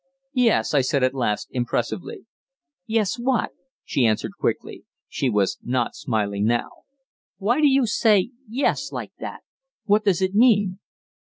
"Yes," I said at last, impressively. "Yes what?" she asked quickly; she was not smiling now. "Why do you say 'yes' like that? What does it mean?"